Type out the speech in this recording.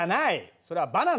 それはバナナ！